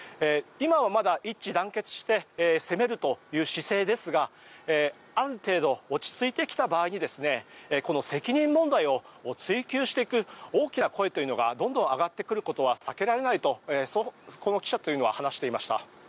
今はまだ一致団結して攻めるという姿勢ですがある程度落ち着いてきた場合にこの責任問題を追及していく大きな声というのがどんどん上がってくるのは避けられないとこの記者は話していました。